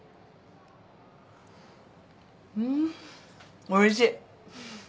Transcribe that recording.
うんおいしい。